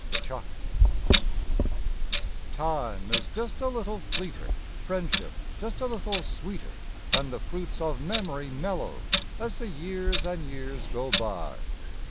A597234 IME is "just a little fleeter; priendship just a little sweeter; And the jruits of memoru mellcrcO ' I As the Ljears and Ejears ao btj.